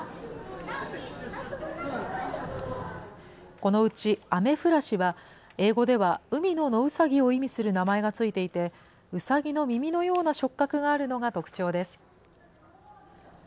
このうちアメフラシは、英語では海のノウサギを意味する名前が付いていて、うさぎの耳のような触角があるのが特徴です。